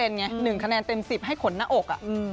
๑คะแนนเต็ม๑๐ให้ขนหน้าอก